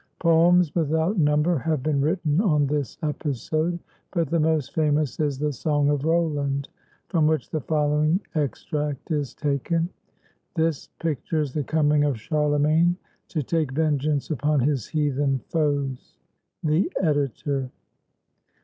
Poems without number have been written on this episode; but the most famous is the "Song of Roland," from which the following extract is taken. This pictures the coming of Charlemagne to take vengeance upon his heathen foes. The Editor.